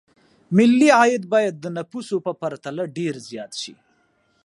ملي عاید باید د نفوسو په پرتله ډېر زیات شي.